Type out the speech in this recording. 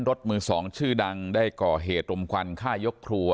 รถมือสองชื่อดังได้ก่อเหตุรมควันฆ่ายกครัว